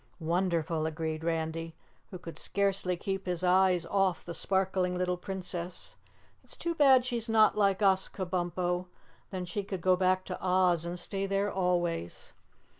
"Wonderful!" agreed Randy, who could scarcely keep his eyes off the sparkling little Princess. "It's too bad she's not like us, Kabumpo, then she could go back to Oz and stay there always."